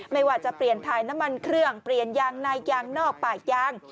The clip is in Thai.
ไม่ว่าจะเปลี่ยนถ่ายน้ำมันเครื่องเปลี่ยนยางในยางนอกปากยาง